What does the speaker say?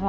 nam